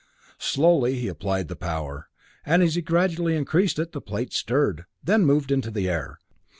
Slowly he applied the power, and as he gradually increased it, the plate stirred, then moved into the air.